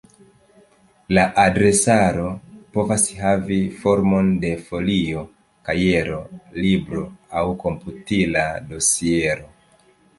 La adresaro povas havi formon de folio, kajero, libro aŭ komputila dosiero.